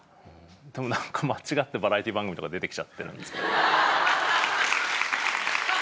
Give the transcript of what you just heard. でも何か間違ってバラエティー番組とか出てきちゃってるんですけど。